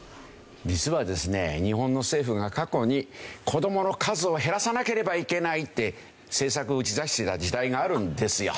実はですね日本の政府が過去に子どもの数を減らさなければいけないって政策を打ち出していた時代があるんですよ。